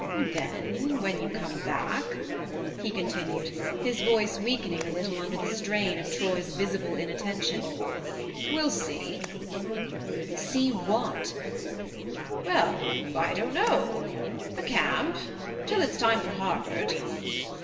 Then, when you come THE MARNE 59 back," he continued, his voice weaken ing a little under the strain of Troy's visible inattention, " well see. ..."" See what ?"" Well I don't know ... a camp ... till it's time for Harvard.